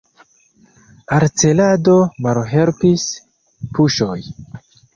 Al celado malhelpis puŝoj.